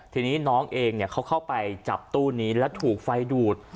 ทีนี้น้องเองเขาเข้าไปจับตู้นี้แล้วถูกไฟดูด